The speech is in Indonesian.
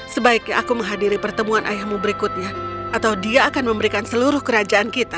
sebaiknya aku menghadiri pertemuan ayahmu berikutnya atau dia akan memberikan seluruh kerajaan kita